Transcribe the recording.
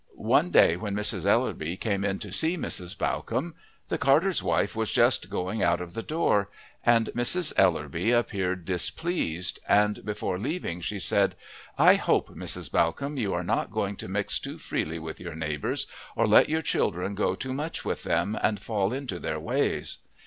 One day when Mrs. Ellerby came in to see Mrs. Bawcombe the carter's wife was just going out of the door, and Mrs. Ellerby appeared displeased, and before leaving she said, "I hope, Mrs. Bawcombe, you are not going to mix too freely with your neighbours or let your children go too much with them and fall into their ways."